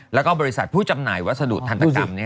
แล้วก็บริษัทผู้จำหน่ายวัสดุทันตกรรม